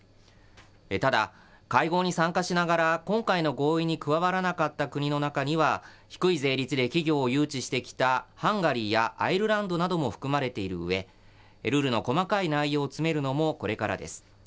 ただ、会合に参加しながら、今回の合意に加わらなかった国の中には、低い税率で企業を誘致してきたハンガリーやアイルランドなども含まれているうえ、ルールの細かい内容を詰めるのもこれからです。